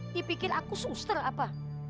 dipikir aku suster apa